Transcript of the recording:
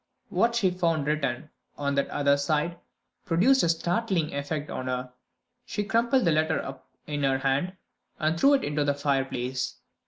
What she found written, on that other side, produced a startling effect on her. She crumpled the letter up in her hand, and threw it into the fireplace.